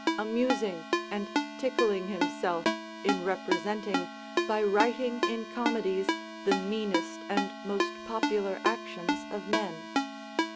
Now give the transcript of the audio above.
] amusing and tickling himself in representing by writing in comedies the meanest and most popular actions of men.